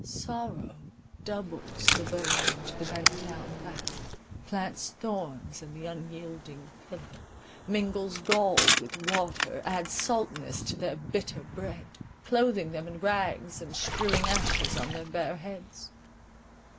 Sorrow doubles the burthen to the bent down back; plants thorns in the unyielding pillow; mingles gall with water; adds saltness to their bitter bread; cloathing them in rags, and strewing ashes on their bare heads.